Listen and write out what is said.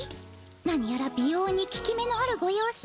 なにやら美ようにきき目のあるご様子。